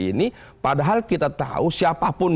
ini padahal kita tahu siapapun